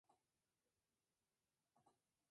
La capital distrital es la comuna de Mörel-Filet.